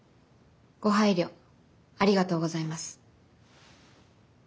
ご配慮ありがとうございます。